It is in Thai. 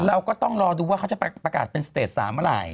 เราก็ต้องรอดูว่าเขาจะประกาศเป็นสเตจ๓เมื่อไหร่